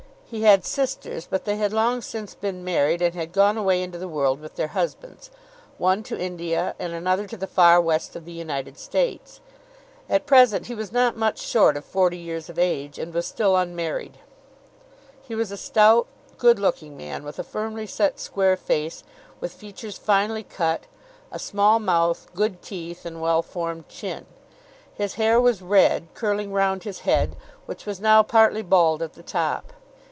He had sisters, but they had long since been married and had gone away into the world with their husbands, one to India, and another to the far west of the United States. At present he was not much short of forty years of age, and was still unmarried. He was a stout, good looking man, with a firmly set square face, with features finely cut, a small mouth, good teeth, and well formed chin. His hair was red, curling round his head, which was now partly bald at the top.